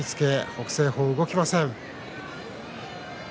北青鵬、動きません。